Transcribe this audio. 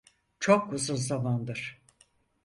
Çok uzun zamandır.